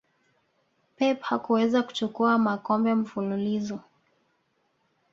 pep hakuweza kuchukua makombe mfululizo